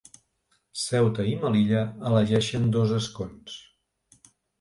Ceuta i Melilla elegeixen dos escons.